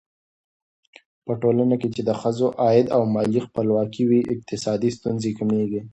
په ټولنه کې چې د ښځو عايد او مالي خپلواکي وي، اقتصادي ستونزې کمېږي.